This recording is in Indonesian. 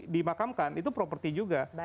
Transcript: dimakamkan itu property juga